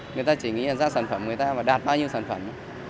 người ta chỉ nghĩ là ra sản phẩm người ta và đạt bao nhiêu sản phẩm